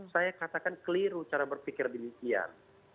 saya katakan keliru cara berpikir demikian